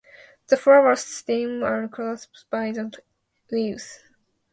The flower stems are clasped by the leaves.